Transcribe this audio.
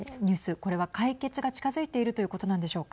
これは、解決が近づいているということなんでしょうか。